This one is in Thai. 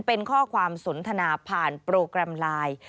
เป็นข้อความสนทนาผ่านโปรแกรมไลน์